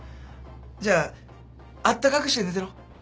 じゃあったかくして寝てろ。